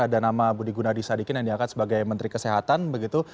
ada nama budi gunadisadikin yang diangkat sebagai menteri kesehatan begitu